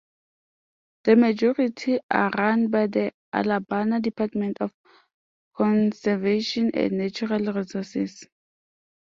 The majority are run by the Alabama Department of Conservation and Natural Resources.